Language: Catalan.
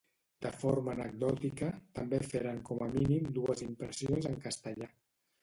De forma anecdòtica, també feren com a mínim dues impressions en castellà.